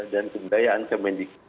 dan kementerian pendidikan